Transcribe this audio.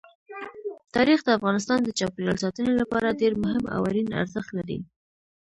تاریخ د افغانستان د چاپیریال ساتنې لپاره ډېر مهم او اړین ارزښت لري.